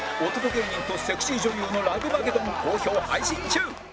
芸人とセクシー女優のラブマゲドン好評配信中